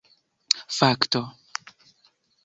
fakto